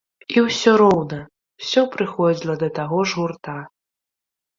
І ўсё роўна, ўсе прыходзіла да таго ж гурта.